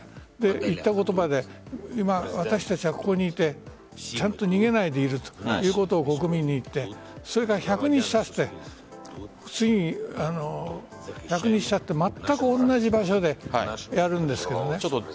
言った言葉で今、私たちはここにいてちゃんと逃げないでいるということを国民に言ってそれから１００日たってまったく同じ場所でやるんです。